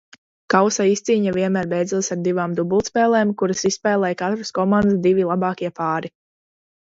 Kausa izcīņa vienmēr beidzās ar divām dubultspēlēm, kuras izspēlēja katras komandas divi labākie pāri.